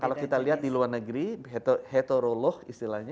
kalau kita lihat di luar negeri hetero loh istilahnya